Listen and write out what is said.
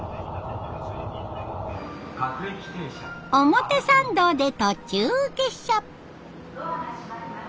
表参道で途中下車。